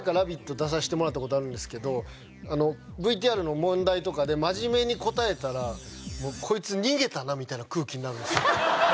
出させてもらったことあるんですけどＶＴＲの問題とかで真面目に答えたらみたいな空気になるんですよ厳しい！